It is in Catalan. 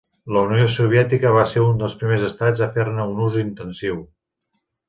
La Unió Soviètica va ser un dels primers estats a fer-ne un ús intensiu.